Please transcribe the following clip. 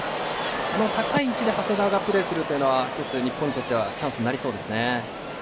あの高い位置で長谷川がプレーするというのは１つ、日本にとってはチャンスになりそうですね。